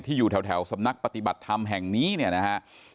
อยู่แถวสำนักปฏิบัติธรรมแห่งนี้เนี่ยนะฮะ